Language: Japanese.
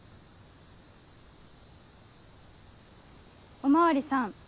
お巡りさん